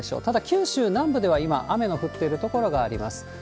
ただ、九州南部では今、雨の降っている所があります。